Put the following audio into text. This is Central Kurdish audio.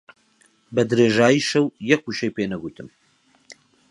بە درێژایی شەو یەک وشەی پێ نەگوتم.